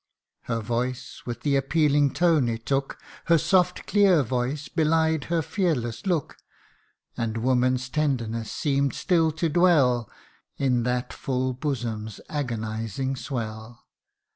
Her voice, with the appealing tone it took, Her soft clear voice, belied her fearless 'look : And woman's tenderness seem'd still to dwell In that full bosom's agonizing swell.